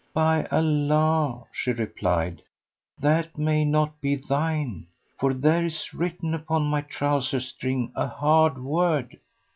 "By Allah," she replied, "that may not be thine, for there is written upon my trouser string[FN#110] a hard word!"